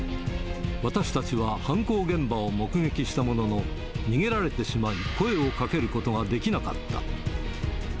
私たちは犯行現場を目撃したものの、逃げられてしまい、声をかけることができなかった。